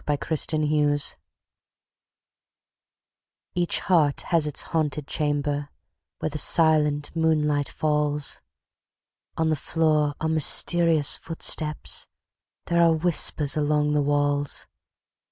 THE HAUNTED CHAMBER Each heart has its haunted chamber, Where the silent moonlight falls! On the floor are mysterious footsteps, There are whispers along the walls!